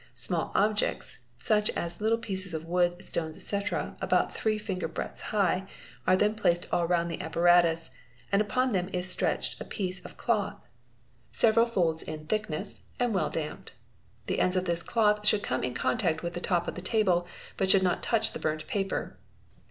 Small objects such as little pieces — of wood, stones, etc., about three finger breadths high, are then placed all round the apparatus, and upon them 1s stretched a piece of cloth several folds in thickness and well damped. The ends of this cloth should come in contact with the top of the table, but should not touch the burnt paper.